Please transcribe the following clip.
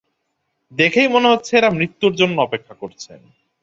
দেখেই মনে হচ্ছে এঁরা মৃত্যুর জন্যে অপেক্ষা করছেন।